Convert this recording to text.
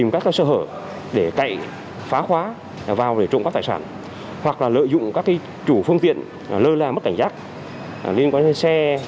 các dân tộc đã lợi dụng các chủ phương tiện lơ la mất cảnh giác liên quan đến xe